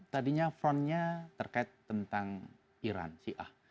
tadinya frontnya terkait tentang iran syiah